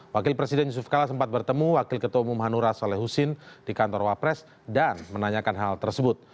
wakil presiden yusuf kala sempat bertemu wakil ketua umum hanura saleh husin di kantor wapres dan menanyakan hal tersebut